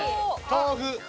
豆腐。